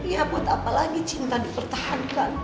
ya buat apa lagi cinta dipertahankan